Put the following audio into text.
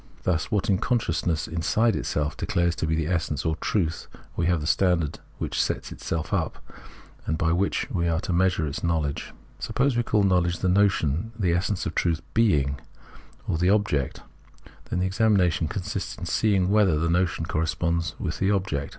Thus in what consciousness inside itself declares to be the essence or truth we have the standard which itself sets up, and by which we are to measure its l^TL0wledge. Suppose we call knowledge the notion, and the essence or truth "being" or the object, then the examination consists in seeing whether the notion corresponds with the object.